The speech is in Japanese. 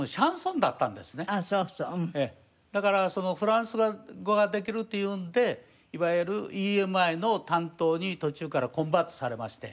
だからフランス語ができるっていうんでいわゆるＥＭＩの担当に途中からコンバートされまして。